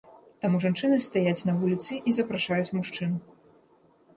Таму жанчыны стаяць на вуліцы і запрашаюць мужчын.